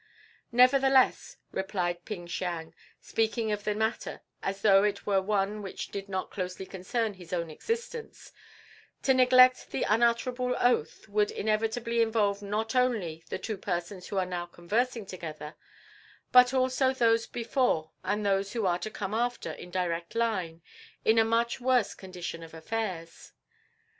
"Nevertheless," replied Ping Siang, speaking of the matter as though it were one which did not closely concern his own existence, "to neglect the Unutterable Oath would inevitably involve not only the two persons who are now conversing together, but also those before and those who are to come after in direct line, in a much worse condition of affairs.